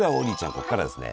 ここからですね